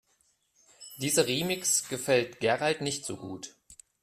Dieser Remix gefällt Gerald nicht so gut.